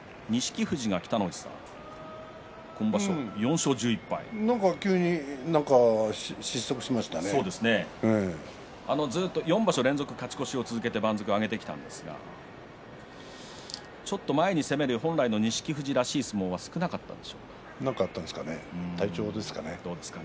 富士が北の富士さんなんか急に４場所連続勝ち越しを続けて番付を上げてきたんですがちょっと前に攻める本来の錦富士らしい相撲が少なかったん何かあったんですかね。